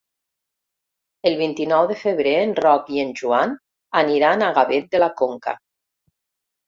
El vint-i-nou de febrer en Roc i en Joan aniran a Gavet de la Conca.